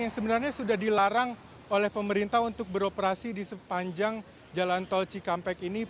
yang sebenarnya sudah dilarang oleh pemerintah untuk beroperasi di sepanjang jalan tol cikampek ini